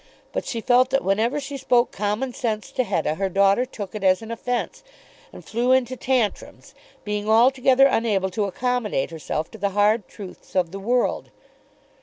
But she felt that whenever she spoke common sense to Hetta, her daughter took it as an offence, and flew into tantrums, being altogether unable to accommodate herself to the hard truths of the world.